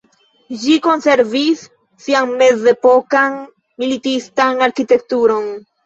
Ĝi konservis sian mezepokan militistan arkitekturon.